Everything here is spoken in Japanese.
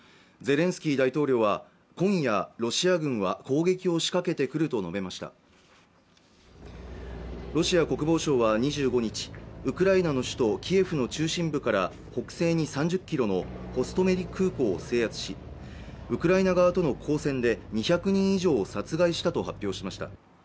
ゼレンスキー大統領は今夜ロシア軍は攻撃を仕掛けてくると述べましたロシア国防省は２５日ウクライナの首都キエフの中心部から北西に３０キロのホストメリ空港を制圧しウクライナ側との交戦で２００人以上を殺害したと発表しました